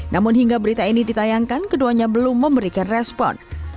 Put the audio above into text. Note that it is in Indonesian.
namun hingga berita ini ditayangkan keduanya belum memberikan respon